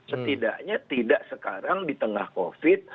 setidaknya tidak sekarang di tengah covid